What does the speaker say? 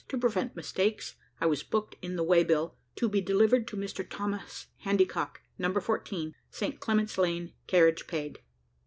To prevent mistakes, I was booked in the way bill, "To be delivered to Mr Thomas Handycock, Number 14, Saint Clement's Lane carriage paid."